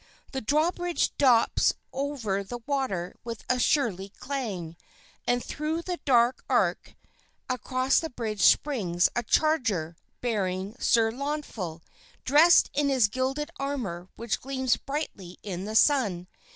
The drawbridge drops over the water with a surly clang, and through the dark arch across the bridge springs a charger, bearing Sir Launfal, dressed in his gilded armor which gleams brightly in the sun.